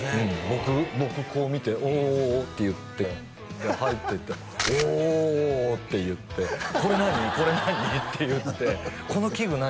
僕僕こう見て「おお」って言って入っていって「おお！」って言って「これ何？これ何？」って言って「この機具何？